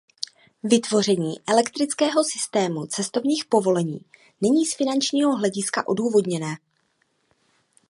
Vytvoření elektronického systému cestovních povolení není z finančního hlediska odůvodněné.